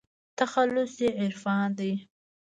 تخلص يې عرفان دى.